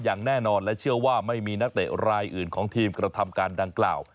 อย่างแน่นอนและเชื่อว่าไม่มีนักเตะรายอื่นของทีมกระทำการดังกล่าว